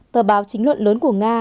tờ báo chính luận lớn của nga